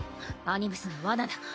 アニムスの罠だ。